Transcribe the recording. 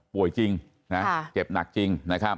ป่วยจริงเจ็บหนักจริง